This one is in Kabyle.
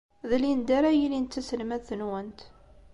D Linda ara yilin d taselmadt-nwent.